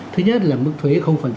thứ nhất là mức thuế